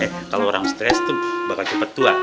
eh kalo orang stres tuh bakal cepet tua